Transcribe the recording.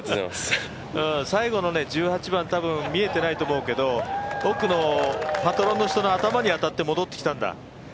最後の１８番、多分見えてないと思うけど奥のパトロンの人の頭に当たって、戻ってきたんだ。